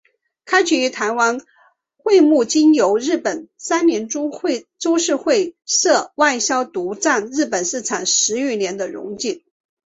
开启了台湾桧木经由日本三菱株式会社外销独占日本市场十余年的荣景。